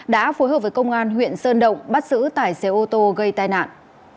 đã phối hợp với công an huyện sơn động bắt giữ tải xe ô tô gây tai nạn